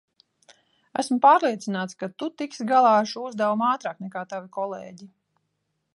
Esmu pārliecināts, ka tu tiksi galā ar šo uzdevumu ātrāk, nekā tavi kolēģi.